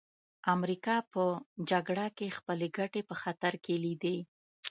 امریکا په جګړه کې خپلې ګټې په خطر کې لیدې